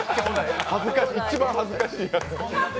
一番恥ずかしいやつ。